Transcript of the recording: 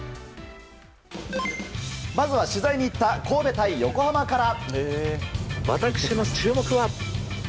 まずは取材に行った神戸対横浜から。